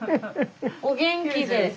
お元気で。